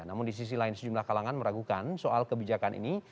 namun di sisi lain sejumlah kalangan meragukan soal kebijakan ini